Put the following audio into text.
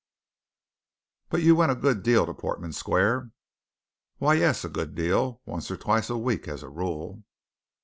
"But you went a good deal to Portman Square?" "Why, yes, a good deal once or twice a week, as a rule."